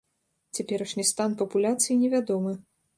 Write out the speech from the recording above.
Цяперашні стан папуляцый невядомы.